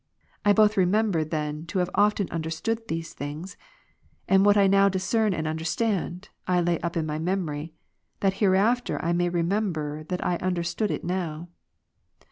I both remember then to have often understood these things ; and what I now discern and un derstand, I lay up in my memory, that hereafter I may re member that I understood it now.